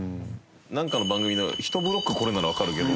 なんかの番組の１ブロックこれならわかるけど。